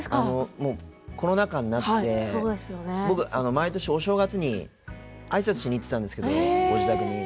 コロナ禍になって僕、毎年お正月にあいさつしに行ってたんですけどご自宅に。